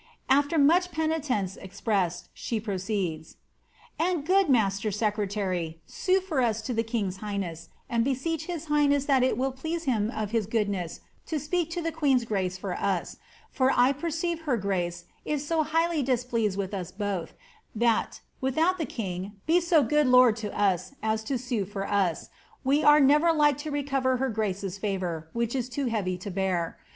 {Afier nmdt penitence exprttted^ the proceed*)^ *<And, good roaster secretary, sue for us to the king's highness, and beseech his iflghness that it will please hira of his goodness to speak to the queen's grace for us, for I per ceive her grace is so highly displeased with us both, that, without the king be so good lord to us as to sue for us, we are never like to recover her grace*s fiivour, which is too heavy to bear.